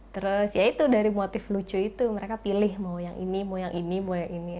terus ya itu dari motif lucu itu mereka pilih mau yang ini mau yang ini mau yang ini